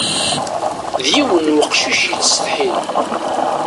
D yiwen n uqcic yettsetḥin.